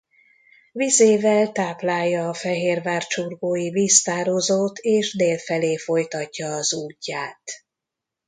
Vizével táplálja a Fehérvárcsurgói-víztározót és dél felé folytatja az útját.